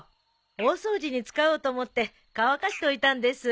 大掃除に使おうと思って乾かしておいたんです。